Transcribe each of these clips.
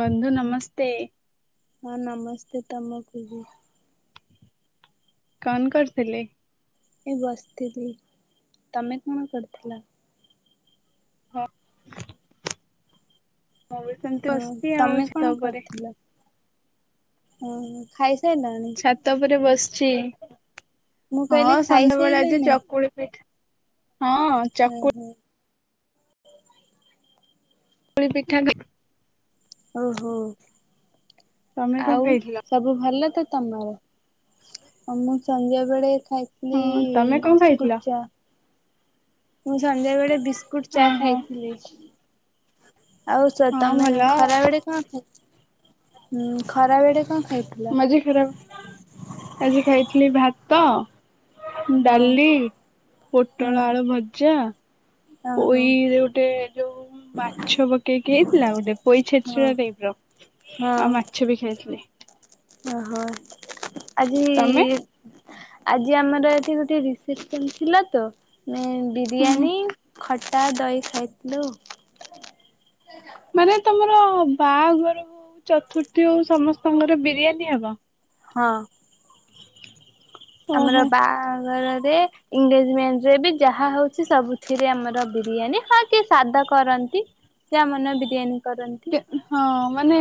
ବନ୍ଧୁ ନମସ୍ତେ। ହଁ ନମସ୍ତେ ତମକୁ ବି। କଣ କରୁଥିଲେ। ଏ ବସିଥିଲି ତମେ କଣ କରୁଥିଲ। ହଁ ମୁଁ ବି ସେମିତି ହଁ ବସିଚି ଆଉ ତମେ କଣ ଚ୍ଛାତ ଉପରେ। ଓ ହୋ ଖାଇ ସାଇଲ। ଛାତ ଉପରେ ବସିଚି ମୁଁ କହିଲି ହଁ ସଞବେଳେ ଆଜି ଖାଇସାରିଲାଣି ଚକୁଳି ପିଠା ହଁ। ହୁଁ ଚକୁଳି ହୁଁ। ପୁଳି ପିଠା [unintelligible] ଓହୋ ତମେ କଣ ଆଉ। ଖାଇଥିଲ? ସବୁ ଭଲ ତ ତମର ଆଉ ମୁଁ ସନ୍ଧ୍ୟା ବେଳେ ଖାଇ ନେଇ ହଁ ତମେ କଣ ଖାଇଥିଲ? ବିସ୍କୁଟ ଚା। ମୁଁ ସନ୍ଧ୍ୟା ବେଳେ ବିସ୍କୁଟ ଚା ଓହୋ ଖାଇଥିଲି। ଆଉ ହଁ ତମେ ଭଲ ଆଉ ଖରା ବଳେ କଣ ଖାଇଛ? ହୁଁ ଖରା ବେଳେକଣ ଖାଇଥିଲ? ଖରା ଆଜି ଖାଇଥିଲି ଭାତ। ହଁ ଡାଲି ପୋଟଳ ଆଳୁ ହଁ ଭଜା। ଓହୋ ପୋଇରେ ଗୋଟେ ଯୋଉ ମାଛ ପକେଇକି ହେଇଥିଲା ଗୋଟେ ପୋଇ ହଁ ଛେଚ ଟାଇପ୍ ର। ଆଉ ହଁ ମାଛ ବି ଖାଇଥିଲି। ଓହୋ ଆଜି ତମେ? ଆଜି ଆମର ଏଠି ଗୋଟେ ରିସେପସନ ଥିଲା ତ। ନେ ହୁଁ ହୁଁ ବିରିୟାନୀ ଖଟା ଦହି ଖାଇଥିଲୁ। ମାନେ ତମର ବାହାଘର ହୋଉ ଚତୁର୍ଥୀ ହୋଉ ସମସ୍ତଙ୍କର ବିରିୟାନୀ ହେବ। ହଁ। ଓହୋ ଆମର ବାହାଘରରେ ଏନ୍‌ଗେଜମେଣ୍ଟରେ ବି ଯାହା ହଉଛି ସବୁଥିରେ ଆମର ବିରିୟାନୀ ହଁ କି ସାଦା କରନ୍ତି। ସେ ଆମନେ ବିରିୟାନୀ କରନ୍ତି। ହଁ ମାନେ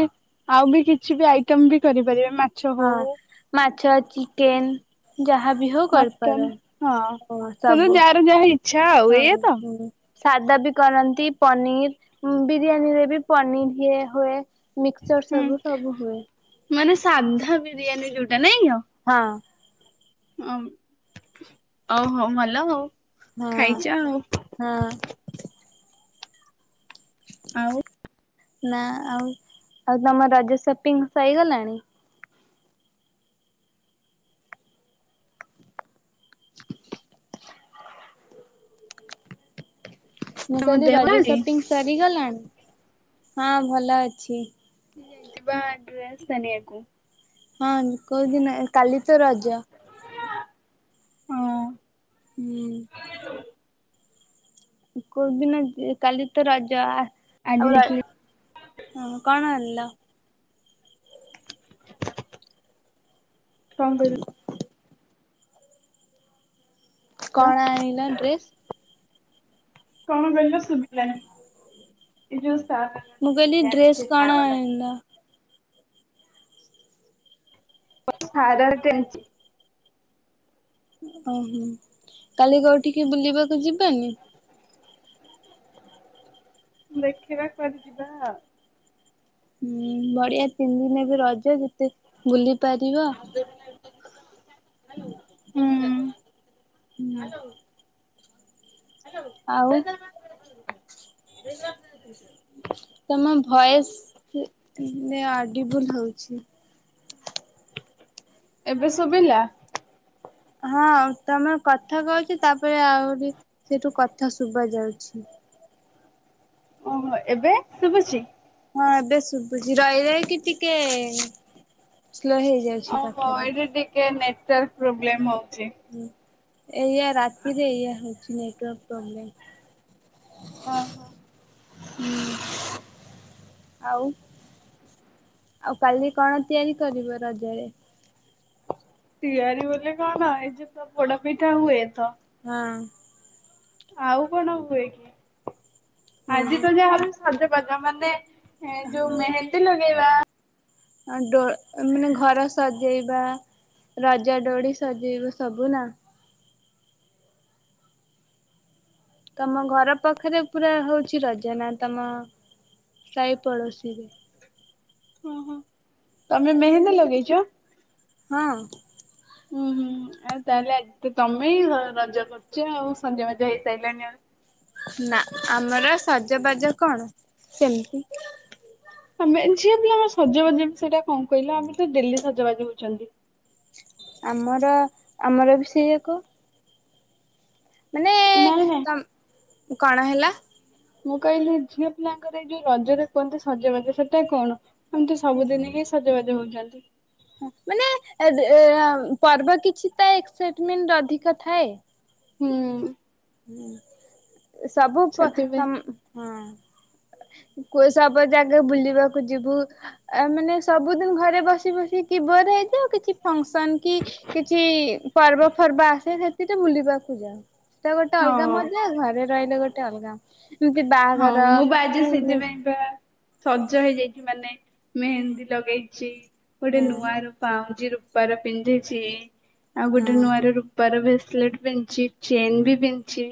ଆଉ ବି କିଛି ବି ଆଇଟମ ବି କରିପାରିବେ ମା ହଁ ମାଛ ଚିକେନ ଯାହାବି ହୋଉ ମଟନ କରିପାରନ୍ତି। ହଁ। [unintelligible] ଯାହାର ଇ ହୋଉ ହୁଁ। ସାଦା ବି କରନ୍ତି ପନିର ବିରିୟାନୀ ରେ ବି ପନିର ଇଏ ହୁଏ। ମିକ୍ସଚର୍ ହୁଁ ସବୁ ସବୁ ହୁଏ। ମାନେ ସାଧା ବିରିୟାନୀ ଯୋଉଟା ନାଇଁ ଆଉ। ହଁ। ଅ ଓ ହୋଉ ଭଲ ଆଉ। ହଁ ଖାଇଛ ହଁ। ଆଉ ନା ଆଉ ଆଉ ତମ ରଜ ସପିଙ୍ଗ ସରିଗଲାଣି। ମୁଁ ତମ କହଲି ଦେହ ଭଲ ରଜ ଅଛି? ସପିଂ ସରିଗଲାଣି ହଁ ଭଲ ଅଛି। ଯାଇଥିବା [unintelligible] ହଁ କୋଉଦିନ କାଲି ତ ରଜ। ହଁ ହୁଁ। କୋଉଦିନ କାଲିତ ରଜ ଆଜି ଆଉ ଯାଇଥିଲି ହଁ କଣ ଆଣିଲ? କଣ କହିଲୁ? କଣ ଆଣିଲ ଡ୍ରେସ। କଣ କିହିଲ ଶୁଭିଲାନି ଏ ଯୋଉ ମୁଁ କହିଲି ଡ୍ରେସ କଣ ଆଇଁଲ? ସାରାରାଟେ ଆଣିଛି। ଓହୋ କାଲି କଉଠିକି ବୁଲିବାକୁ ଯିବାନି। ଦେଖିବା କୁଆଡେ ଯିବା ଆଉ। ହୁଁ ବଢିଆ ତିନି ଦିନରେ ବି ରଜ ଯେତେ ବୁଲି ପାରିବ। ହ ଆଉ [unintelligible] ତମ ଭୟସରେ ଅଡିବୁଲ ହଉଛି। ଏବେ ଶୁଭିଲା? ହଁ ତମେ କଥା କହୁଛି ତାପରେ ଆହୁରି ସେଇଠୁ କଥା ଶୁବା ଯାଉଛି। ଓହୋ ଏବେ ଶୁଭୁଚି? ହଁ ଏବେ ଶୁଭୁଛି ରଇ ରହିଁ କି ଟିକେ ସ୍ଲୋ ହେଇ ଓହୋ ଏଇଠି ଟିକେ ନେଟୱାର୍କ ପ୍ରୋବ୍ଲେମ ହଉଛି। ହଁ ଏଇଆ ରାତିରେ ଏଇଆ ହଉଛି ନେଟୱାର୍କ ପ୍ରୋବ୍ଲେମ। ଓହୋ। ହୁଁ। ଆଉ ଆଉ କାଲି କଣ ତିଆରି କରିବ ରଜରେ? ତିଆରି ବୋଲି କଣ ଏଇ ଯୋ ତ ପୋଡ ପିଠା ହୁଏ ତ। ହଁ। ଆଉ କଣ ହୁଏ କି? ହେଁ ଓହୋ ଯୋଉ ମେହେନ୍ଦି ଲଗେଇବା ଆ ଡୋ ମାନେ ଘର ସଜେଇବା ରଜଡୋଡି ସଜେଇବୁ ସବୁ ନା? ତମ ଘର ପଖରେ ପୁରା ହଉଛି ରଜନା ତମ ସାହି ପଡୋଶୀରେ? ହୁଁ ହୁଁ ତମେ ମେହେନ୍ଦି ଲଗେଇଚ? ହଁ। ହୁଁ ହୁଁ ଆଉ ତାହେଲେ ଆଜି ଟୁ ତମେ ରଜ କରୁଛ ଆଉ ସଞ୍ ବାଜା ହେଇସାରିଲାଣି ଆଉ। ନା ଆମର ସଜବାଜ କଣ ସେମତି। [unintelligible] ଝିଅ ପିଲାଙ୍କ ସଜବାଜ ସେଇଟା କଣ କହିଲା ଆମେ ତ ଡେଲି ସଜବାଜି ହଉଛନ୍ତି। ଆମର ଆମର ବି ସେଇଆ କ ମାନେ ନାହିଁ ନା କଣ ହେଲା? ମୁଁ କହିଲି ଝିଅ ପିଲାଙ୍କର ଏଇ ଯୋଉ ରଜରେ କୁହନ୍ତି ସଜବାଜ ସେଟା କଣ? ଆମେ ତ ସବୁଦିନ ହିଁ ସଜବାଜ ହଉଛନ୍ତି। ମାନେ ଏଡ଼େ ଏ ପର୍ବ କିଛି ତ ଏକ୍ସାଇଟମେଣ୍ଟ ଅଧିକ ଥାଏ? ହୁଁ। ହୁଁ ସବୁ ପ ସେଥିପାଇଁ ସମ୍ ହୁଁ। କୁ ସାବ୍ ଜାଗା ବୁଲିବାକୁ ଯିବୁ ଆ ମାନେ ସବୁଦିନ ଘରେ ବସି ବସି କି ବର ହେଇଯାଅ କିଛି ଫଙ୍କସନ କି କିଛି ପର୍ବ ପର୍ବ ଆସେ ସେଥି ତ ବୁଲିବାକୁ ଯାଅ। ତ ଗୋଟେ ଅଲଗା ହଁ। ମଜା ଘରେ ରହିଲେ ଗୋଟେ ଅଲଗା ଇମତି ହଁ ବାହାଘର ମୁଁ ବା ଆଜି ସେଥିପାଇଁ ବା ସଜ ହେଇଯାଇଛି ମାନେ ମେହେନ୍ଦୀ ଲଗେଇଛି ଗୋଟେ ନୂଆ ରୁ ପାଉଁଜି ରୂପାର ପିନ୍ଧିଛି ଆଉ ଗୋଟେ ହଁ ନୂଆ ର ରୁ ପାର ବ୍ରେସଲେଟ ପିନ୍ଧିଚି ଚେନ୍ ବି ପିନ୍ଧିଚି।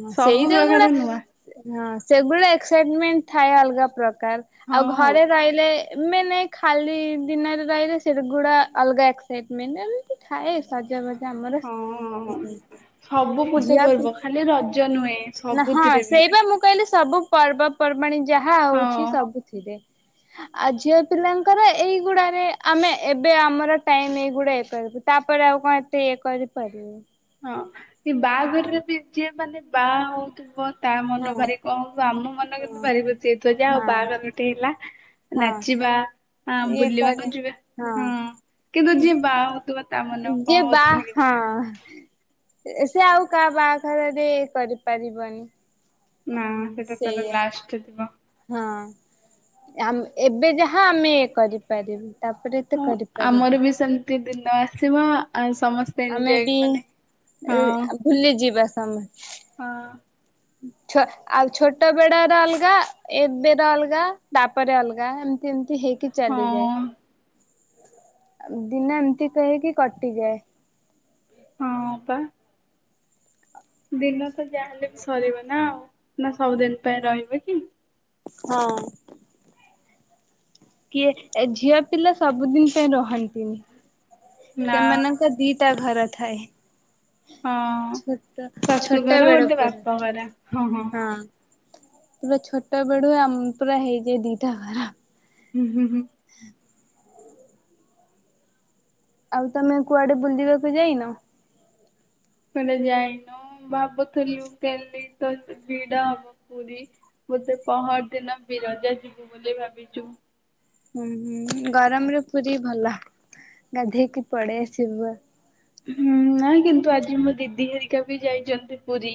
ମା ସେଇଟା ଗୋଡା ହଁ ସେଗୁା ଏକ୍ସାଇଟମେଣ୍ଟ ଥାଏ ଅଲଗା ପ୍ରକାର ଆଉ ହଁ ଘରେ ରହିଲେ ଏ ମାନେ ଖାଲି ଦିନରେ ରହିଲେ ସେଟ ଗୁଡା ଅଲଗା ଏସାଇଟମେଣ୍ଟ ଏମିତି ଥାଏ ସଜାବାଜା ଆମର ହଁ। ଝିଅ ପି ଜ ନୁହେଁ ନା ହଁ ସବୁଥିରେ ବି ସେଇ ବା ମୁଁ କହିଲି ସବୁ ପର୍ବ ପର୍ବାଣୀ ଯାହା ହଉଛି ହଁ। ସବୁଥିରେ। ଆ ଝିଅ ପିଲାଙ୍କର ଏଇଗୁଡାରେ ଆମେ ଏବେ ଆମର ଟାଇମ ଏଇଗୁଡା ଏକରିବୁ ତାପରେ ଆଉ କଣ ଏତେ ଇଏ କରିପାରିବୁ? ହଁ ଏ ବାହାଘରରେ ବି ଯିଏ ମାନେ ବାହା ହଉଥିବ ତା ମନ ହଁ ଭାରି [unintelligible] ଆମ ମନ କିନ୍ତୁ ହଁ ଭାଖୁସି ହେଇଥିବ ଯେ ହେଉ ହଁ ବାହାଘରଟି ହେଲା। ହଁ ନାଚିବା ଇଏ ବୁଲିବା କରେ ଯିବା ହଁ। କିନ୍ତୁ ଯିଏ ବାହା ହଉଥିବ ତା ମନେ ଯିଏ କଣ ହଉଥିବ ସେ ସେ ଆଉ କାହା ବାହାଘରରେ କରିପାରିବନି। ନା ସେଟା ତାଦ ସେଇଆ ଲାଷ୍ଟ ଥିବ। ହଁ ଆମ୍ ଏବେ ଯାହା ଆମେ ଇ କରିପାରିବୁ। ତାପରେ ଏ ତ କରିପାରିବି। ପ୍ର ଦିନ ଆସିବ ଆଉ ସମସ୍ ଆମେ ବି ଭୁଲି ଯିବା ସମସ୍ ହଁ। ଛ ଆଉ ଛୋଟ ବେଡ ର ଅଲଗା ଏବେର ଅଲଗା ତାପରେ ଅଲଗା ଏମିତି ଏମିତି ହେଇକି ହଁ। ଚାଲିଯାଏ ଦିନ ଏମିତି କହିକି କଟିଯାଏ। ହଁ ପା। ଦିନ ତ ଯାହାେଲେ ବି ସରିବ ନା ଆଉ ନା ସବୁଦିନ ପାଇଁ ରହିବେ କି? ହଁ। କିଏ ଏ ଝିଅ ପିଲା ସବୁଦିନ ପାଇଁ ରହନ୍ତିନି ନା ସେମାନ ଦିଟା ଘର ଥାଏ। ହଁ ଛୋଟ ଶାଶୁ ଛୋଟା ଘର ଗୋଟେ ବେଳକୁ ବାପ ହଁ। ଘର। ପୁରା ଛୋଟ ବେଡୁ ଆ ପୁରା ହେଇଯାଏ ଦିଟା ଖରା। ହୁଁ ହୁଁ। [inaudible] ଆଉ ତମେ କୁଆଡେ ବୁଲିବାକୁ ଯାଇନ? କୁଆଡେ ଯାଇନୁ ଭାବୁଥିଲୁ କାଲି ତ ଭିଡ ହବ ପୁରୀ। ବୋଧେ ପହର ଦିନ ବିରଜା ଯିବୁ ବୋଲି ଭାବିଛୁ। ହୁଁ ହୁଁ ଗରମରେ ପୁରୀ ଭଲ। ଗାଧେଇକି ପଡେଇ ଆସିବ। ହୁଁ ନାଇଁ କିନ୍ତୁ ଆଜି ମୋ ଦିଦି ହେରିକା ବି ଯାଇଛନ୍ତି ପୁରୀ।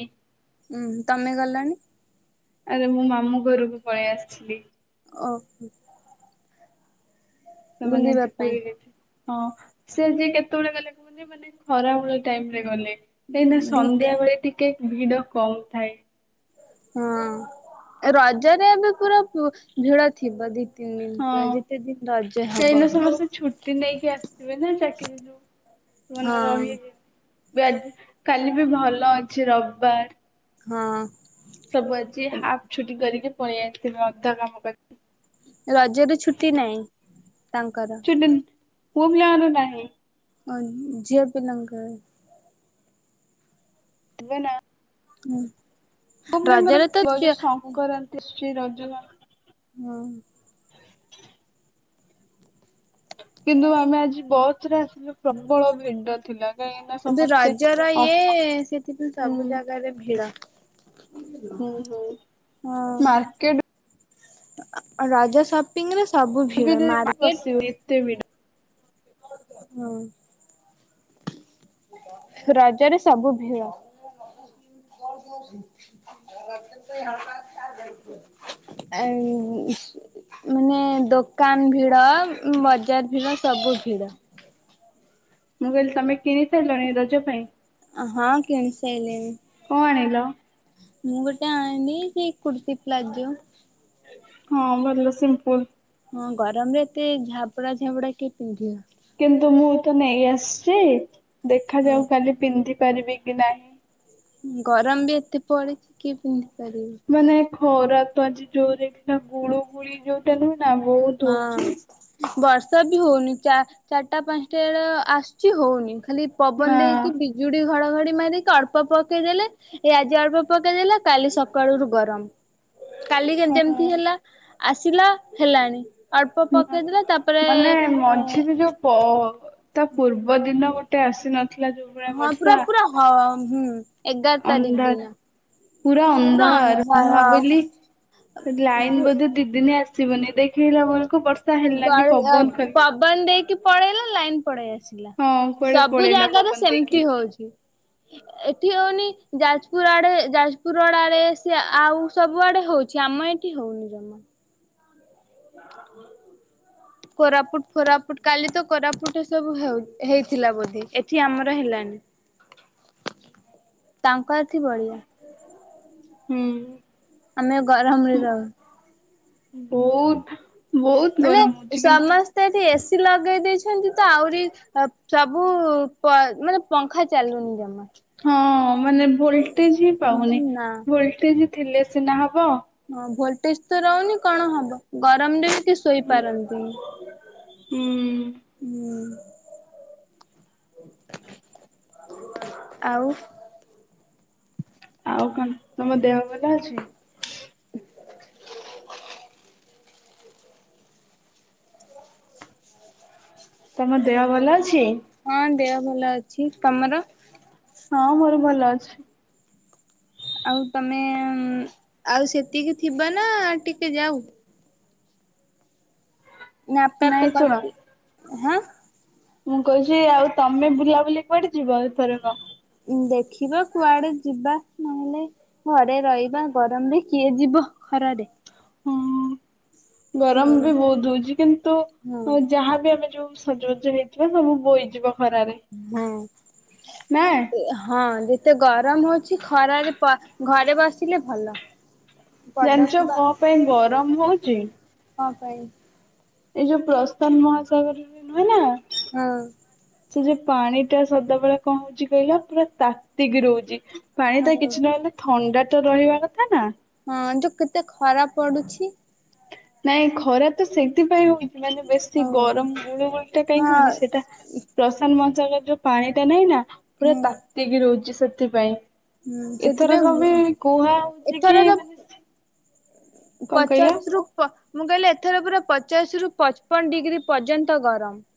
ଉୁଁ ତମେ ଗଲଣି? ଆରେ ମୁଁ ମାମୁ ଘରକୁ ପଳେଇ ଆସିଛି। ଓ। ସେମାନେ ବୁଲିବା ଆଜି ପାଇଁ ପୁରୀରେ। ହଁ ସେ ଯିଏ କେତେବେଳେ ଗଲେ କୁହନ ମାନେ ଖରା ବେଳ ଟାଇମ ରେ ଗଲେ। କାହିଁକି ନା ସନ୍ଧ୍ୟା ଦିଟା ବେଳେ ଟିକେ ଭିଡ କମ ଥାଏ। ହଁ ରଜରେ ଏ ବି ପୁରା ଭିଡ ଥିବ ଦି ତିନି ଦିନ ପୁରା ଯେତେ ଦିନ ରଜ ହଁ ହବ ଏଇନା ସମସ୍ତେ ଛୁଟି ନେଇକି ଆସିଥିବେ ନା ଚାକିରି ରୁ ସେ ମାନେ ହଁ ରହି କାଲି ବି ଭଲ ଅଛି ରବବାର। ହଁ। ସବୁ ଅଛି ହାଫ ଛୁଟି କରିକି ପଳେଇ ଆାଇଥିବେ ଅଧା କାମ କରି। ରଜରେ ଛୁଟି ନାହିଁ ତାଙ୍କର। ପୁଅ ପିଲାଙ୍କର ନାହିଁ। ହଁ ଝିଅ ପିଲାଙ୍କର। [unintelligible] ହୁଁ। ପିଲାଙ୍କର ରଜରେ ତ ଯୋଉ ଝିଅ ହଁ ସଂକ୍ରାନ୍ତି ଶ୍ରୀ ରଜ। ହଁ। କିନ୍ତୁ ଆମେ ଆଜି ବସ ରେ ଆସିଲୁ ପ୍ରବଳ ଭିଡ଼ ଥିଲା। କାହିଁକି ନା କିନ୍ତୁ ସମସ୍ତେ ରଜର ଅ ଇଏ ସେଥି ପାଇଁ ହୁଁ ସବୁ ଜାଗାରେ ଭିଡ। ହୁଁ ହୁଁ ହଁ ମାର୍କେଟ ରଜ ସାବ ରେ ସବୁ ବି ଭିଡ ବସିବ ମାର୍କେଟ ଏତେ ଭିଡ ହୁଁ। ରଜରେ ସବୁ ଭିଡ। [unintelligible] ମାନେ ଦୋକାନ ଭିଡ ବଜାର ଭିଡ ସବୁ ଭିଡ। ମୁଁ କହିଲି ତମେ କିଣି ସାରିଲଣି ରଜ ପାଇଁ? ହଁ କିଣି ସାରିଲିଣି। କଣ ଆଣିଲ? ମୁଁ ଗୋଟେ ଆଣିଲି ସେ କୁର୍ତ୍ତୀ ପ୍ଲାଜୋ। ହଁ ଭଲ ସିମ୍ପୁଲ। ହଁ ଗରମରେ ଏତେ ଝାବଡା ଝାବଡା କିଏ ପିନ୍ଧିବ? କିନ୍ତୁ ମୁଁ ତ ନେଇ ଆସିଛି ଦେଖାଯାଉ କାଲି ପିନ୍ଧି ପାରିବି କି ନାହିଁ। ଗରମ ବି ଏତେ ପଡିଛି କି ପିନ୍ଧି ପାରିବ? ମାନେ ଖରା ତ ଆଜି ଯୋଉ ଦେଖ ଗୁଳୁ ଗୁଳି ଯୋଉଟା ନୁହେଁ ନା ବହୁତ ହଁ ହଉଛି। ବର୍ଷା ବି ହଉନି ଚାରିଟା ପାଞ୍ଚଟା ବେଳ ଆସୁଛି ହଉନି ଖାଲି ନା ପବନ ଦେଇକି ବିଜୁଡି ଘଡଘଡ଼ି ମାରିକି ଅଳ୍ପ ପକେଇଦେଲେ ଏଇ ଆଜି ଅଳ୍ପ ପକେଇ ଦେଲା କାଲି ସକାଳ ରୁ ଗରମ। କାଲି ଯେମିତି ଏମିତି ହେଲା ହଁ ଆସିଲା ହେଲାଣି। ଅଳ୍ପ ପକେଇଦେଲେ ତାପରେ ମାନେ ଏ ମଝିରେ ଯୋଉ ପ ତା ପୂର୍ବ ଦିନ ଗୋଟେ ଆସିନ ହଁ ପୁରା ପୁରା ହଁ ହୁଁ ଏଗାର ତାରିଖ ଅନ୍ଧାର ଦିନ। ପୁରା ଅନ୍ଧାର ମୁଁ ଭାବିଲି ଲାଇନ ବୋଧେ ଦିଦିନି ଆସ ଆସିବନି ଦେଖେଇଲା ବରସ୍ ବ ପବନ ଦେଇକି ପଳେଇଲା ଲାଇନ ପଳେଇ ଆସେ। ହଁ କୁଆଡେ ସବୁ ପଳେଇଲା ଜାଗାରେ ପବନ ଦେଇକି ସେମିତି ହଉଛି। ଏଠି ହଉନି ଯାଜପୁର ଆଡେ ଯାଜପୁର ରଡ ଆଡେ ସେ ଆଉ ସବୁ ଆଡେ ହଉଛି। ଆମ ଏଠି ହଉନି ଜମା। ଆ କୋରାପୁଟ ଫୋରାପୁଟ କାଲି ତ କୋରାପୁଟ ଏ ସବୁ ହେଉ ହେଇଥିଲା ବୋଧେ ଏଠି ଆମର ହେଲନି। ଆ ତାଙ୍କ ଏଠି ବଢିଆ ହୁଁ। ଆମେ ଗରମରେ ରହୁ। ବହୁତ ବହୁତ ଗରମ ହଉଛି କିନ୍ତ ସେ ଏଠି ଏସିି ଲଗେଇ ଦେଇଛନ୍ତି ତ ଆହୁରି ଅ ସବୁ ପ ମାନେ ପଙ୍ଖା ଚାଲୁନି ଜମା। ହଁ ମାନେ ଭୋଲଟେଜ ହିଁ ପାଉନି ନା ଭୋଲଟେଜ ଥିଲେ ସିନା ହବ। ହଁ ଭୋଲଟେଜ ତ ରହୁନି କଣ ହବ ଗରମ ଦି ସେ ହୁଁ ଶୋଇପାରନ୍ତିନି ହୁଁ। ଆଉ। ଆଉ କଣ ତମ ଦେହ ଭଲ ଅଛି? ହ ତମ ଦେହ ଭଲ ଅଛି? ହଁ ଦେହ ଭଲ ଅଛି ତମର? ହଁ ମୋର ଭଲ ଅଛି। ଆଉ ତମେ ଆଉ ସେତିକି ଥିବ ନା ଟିକେ ଯାଉ। ନା ଆପେ ଆପେ ନାଇଁ ଶୁଣ କରୁ ଚି ହେଁ। ମୁଁ କହୁଛି ଆଉ ତମେ ବୁଲା ବୁଲି କୁଆଡେ ଯିବ ଏଥର କ? ଉ ଦେଖିବା କୁଆଡେ ଯିବା ନହେଲେ ଘରେ ରହିବା ଗରମରେ କିଏ ଯିବ ଖରାରେ। ହଁ ଗରମ ବି ହଁ ବହୁତ ହଉଛି କିନ୍ତୁ ଯାହାବି ଆମେ ଯୋସ୍ ସଜବାଜ ହେଇଥିବା ସବୁ ବୋଇଯିବ ଖରାରେ। ହଁ ନା ହଁ। ଏତେ ଗରମ ହଉଛି ଖରାରେ ପ ଘରେ ବସିଲେ ଭଲ। ଜାଣିଛ ପଦାକୁ ବା କଣ ପାଇଁ ଗରମ ହଉଛି? କଣ ପାଇଁ। ଏଇ ଯୋଉ ପ୍ରଶାନ୍ତ ମହାସାଗରରେ ନୁହେଁ ନା ହଁ। ସେ ଯେ ପାଣି ଟା ସଦାବେଳେ କଣ ହଉଚି କହିଲ ପୁରା ତାତିକି ରହୁଛି। ପାଣି ହଁ ତ କିଛି ନହଲେ ଥଣ୍ଡା ତ ରହିବା କଥା ନା? ହଁ ଯୋଉ କେତେ ଖରା ପଡୁଛି। ନାଇଁ ଖରା ତ ସେଇଥିପାଇଁ ହଉଛି ମାନେ ବେଶୀ ଆଉ ଗରମ ଗୁଳ ଗୁଳିଟା କାହିଁକି ହଁ ହଉଛି ସେଟା ପ୍ରସାନ୍ତ ମହାସାଗର ଯୋଉ ପାଣି ଟା ନାହିଁ ନା ପୁରା ହୁଁ ତାତିକି ରହୁଛି ସେଥିପାଇଁ। ହୁଁ ସେଥିପାଇଁ ଏଥରକ ବି କୁହା ହଉଛି କି ମାନେ କଣ କହିଲ ପଚାଶରୁୁ ପ ମୁଁ କହିଲି ଏଥର ପୁରା ପଚାଶ ରୁ ପଚ୍ ପନ୍ ଡିଗ୍ରୀ ପର୍ଯ୍ୟନ୍ତ ଗରମ।